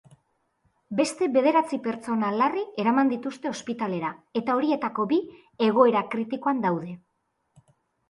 Beste bederatzi pertsona larri eraman dituzte ospitalera eta horietako bi egoera kritikoan daude.